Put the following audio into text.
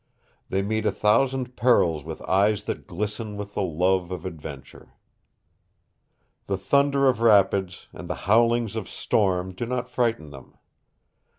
They meet a thousand perils with eyes that glisten with the love of adventure. The thunder of rapids and the howlings of storm do not frighten them.